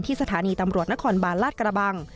สถานีตำรวจนครบาลลาดกระบัง